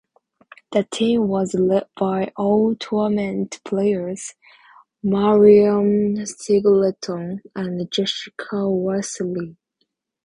The team was led by All-Tournament players Marion Singleton and Jessica Worsley.